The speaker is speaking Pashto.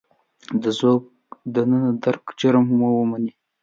د ذوق د نه درک جرم هم ومني.